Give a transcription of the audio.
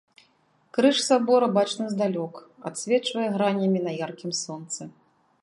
Крыж сабора бачны здалёк, адсвечвае гранямі на яркім сонцы.